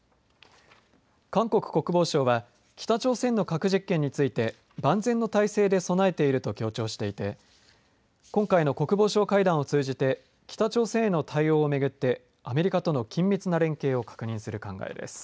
韓国国防省は北朝鮮の核実験について万全の態勢で備えていると強調していて今回の国防相会談を通じて北朝鮮への対応を巡ってアメリカとの緊密な連携を確認する考えです。